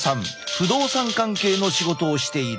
不動産関係の仕事をしている。